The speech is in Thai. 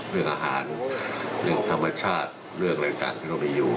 เรื่องอาหารเรื่องธรรมชาติเรื่องอะไรต่างที่เรามีอยู่